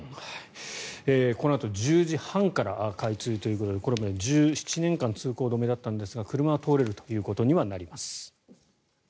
このあと１０時半から開通ということでこれまで１７年間通行止めだったんですが車は通れるということにはなります。